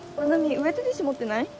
ウエットティッシュ持ってない？